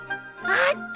あった！